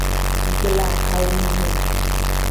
Gbla awu me.